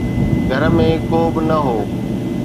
گهر ۾ ڪو به نه هو.